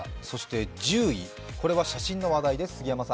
そして１０位、これは写真が話題です